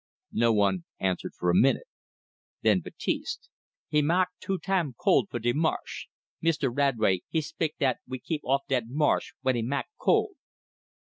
No one answered for a minute. Then Baptiste: "He mak' too tam cole for de marsh. Meester Radway he spik dat we kip off dat marsh w'en he mak' cole."